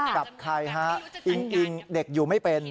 กับใครฮะอิงอิงเด็กอยู่ไม่เป็น